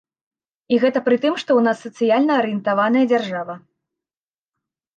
І гэта пры тым, што ў нас сацыяльна арыентаваная дзяржава.